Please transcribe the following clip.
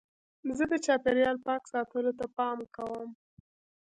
زه د چاپېریال پاک ساتلو ته پام کوم.